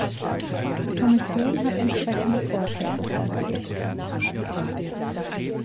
Die Kommission hat entsprechende Vorschläge vorgelegt.